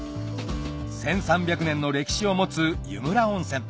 １３００年の歴史を持つ湯村温泉